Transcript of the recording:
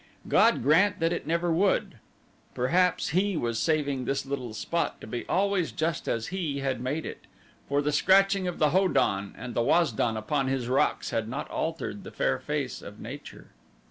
God grant that it never would. Perhaps He was saving this little spot to be always just as He had made it, for the scratching of the Ho don and the Waz don upon His rocks had not altered the fair face of Nature.